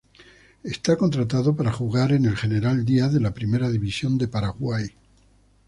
Es contratado para jugar en el General Díaz de la Primera División de Paraguay.